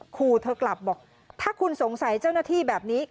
ขู่เธอกลับบอกถ้าคุณสงสัยเจ้าหน้าที่แบบนี้